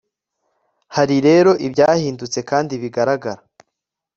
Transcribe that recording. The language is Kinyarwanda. hari rero ibyahindutse kandi bigaragara